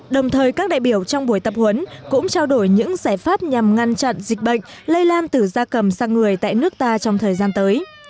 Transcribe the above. đồng thời các đại biểu trong buổi tập huấn cũng trao đổi những giải pháp nhằm ngăn chặn dịch bệnh lây lan từ da cầm sang người tại nước ta trong thời gian tới